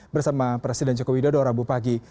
bersama presiden joko widodo rabu pagi